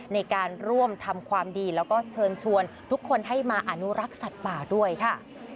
ในการร่วมทำความดีแล้วก็เชิญชวนทุกคนให้มาอนุรักษ์สัตว์ป่าด้วยค่ะ